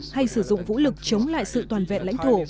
hay sử dụng vũ lực chống lại sự toàn vẹn lãnh thổ